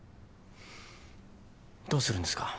どうするんですか？